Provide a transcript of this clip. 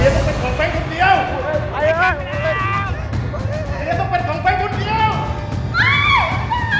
เตียต้องเป็นของแฟนคุณเดียว